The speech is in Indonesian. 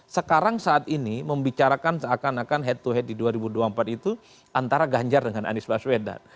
sekarang saat ini membicarakan seakan akan head to head di dua ribu dua puluh empat itu antara ganjar dengan anies baswedan